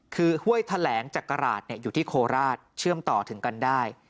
คือห้วยแถลงจักราชอยู่ที่โคราชเชื่อมต่อถึงกันได้